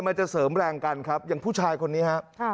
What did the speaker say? มันจะเสริมแรงกันครับอย่างผู้ชายคนนี้ครับ